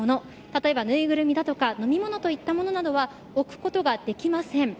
例えば、ぬいぐるみや飲み物といったものなどは置くことができません。